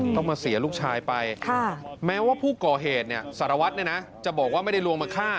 ต้องมาเสียลูกชายไปแม้ว่าผู้ก่อเหตุสารวัตรจะบอกว่าไม่ได้ลวงมาฆ่า